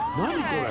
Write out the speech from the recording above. これ！